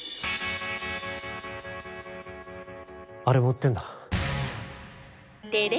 あれもうってんだ。